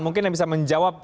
mungkin yang bisa menjawab